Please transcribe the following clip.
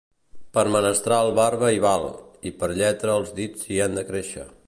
Per menestral barba hi val, i per lletra els dits hi han de créixer.